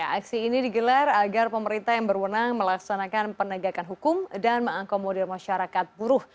aksi ini digelar agar pemerintah yang berwenang melaksanakan penegakan hukum dan mengakomodir masyarakat buruh